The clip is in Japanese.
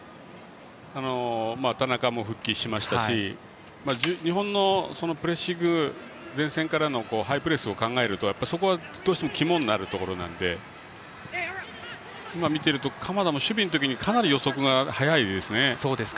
田中も復帰しましたし日本の前線からのハイプレスを考えるとそこはどうしても肝になるところなので見ていると、鎌田も守備のときかなり予測が速いですね。